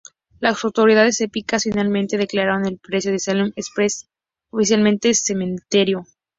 Las autoridades egipcias, finalmente, declararon el pecio del Salem Express oficialmente cementerio.